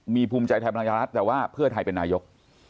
มีภูมิใจไทยพลังยารัฐแต่ว่าเพื่อไทยเป็นนายก